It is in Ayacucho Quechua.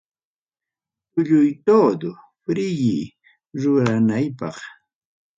Tulluytodo friyirunaypaq.